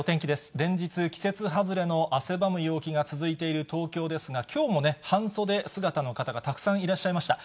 連日、季節外れの汗ばむ陽気が続いている東京ですが、きょうも半袖姿の方がたくさんいらっしゃいました。